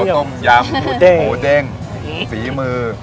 ครับผมครับผม